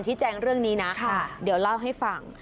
แจ้งเรื่องนี้นะเดี๋ยวเล่าให้ฟัง